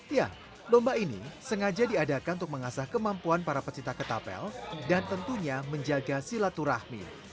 ya lomba ini sengaja diadakan untuk mengasah kemampuan para pecinta ketapel dan tentunya menjaga silaturahmi